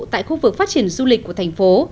tại khu vực phát triển du lịch của thành phố